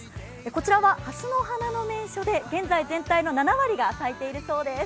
こちらははすの花の名所で、現在全体の７割が咲いているそうです。